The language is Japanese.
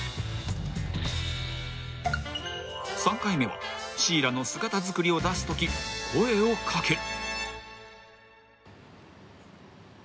［３回目はシイラの姿造りを出すとき声を掛ける］